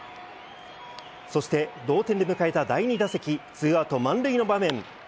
そして、同点で迎えた第２打席、ツーアウト満塁の場面。